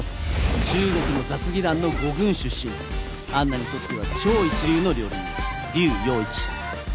中国の雑技団の五軍出身アンナにとっては超一流の料理人リュウ楊一。